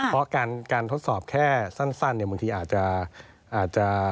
เพราะการทดสอบแค่สั้นเนี่ยบางทีอาจจะ